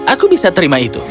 aku bisa terima itu